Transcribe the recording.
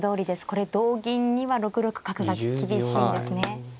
これ同銀には６六角が厳しいですね。